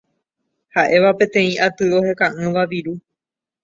ha'éva peteĩ aty oheka'ỹva viru